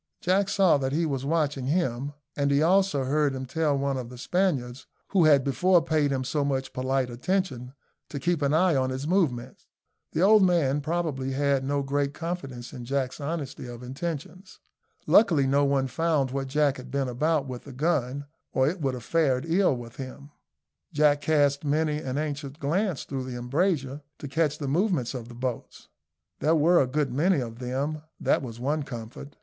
Jack saw that he was watching him, and he also heard him tell one of the Spaniards, who had before paid him so much polite attention, to keep an eye on his movements. The old man, probably, had no great confidence in Jack's honesty of intentions. Luckily no one found what Jack had been about with the gun, or it would have fared ill with him. Jack cast many an anxious glance through the embrasure, to catch the movements of the boats. There were a good many of them that was one comfort.